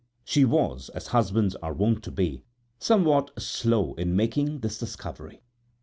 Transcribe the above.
He was, as husbands are wont to be, somewhat slow in making this discovery.